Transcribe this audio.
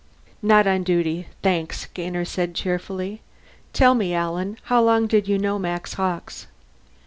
"Not on duty, thanks," Gainer said cheerfully. "Tell me, Alan how long did you know Max Hawkes?"